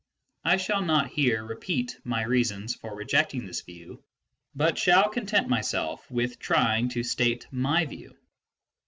1 shall not here repeat my reasons for rejecting this view, but shall content myself with trying to state my own view.